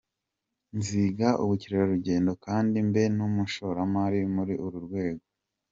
nziga ubukerarugendo kandi mbe n’umushoramari muri uru rwego".